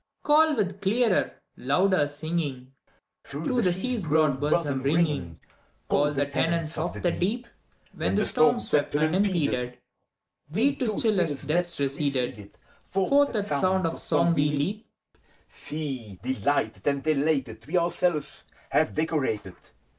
Call with clearer, louder singing. Through the Sea's broad bosom ringing, Call the tenants of the Deep! When the storm swept unimpeded We to stillest depths receded ; Forth at sound of song we leap. See! delighted and elated, We ourselves have decorated.